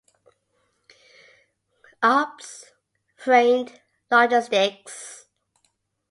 Alps Freight Logistics.